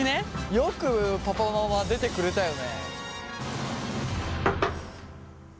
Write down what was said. よくパパママ出てくれたよね。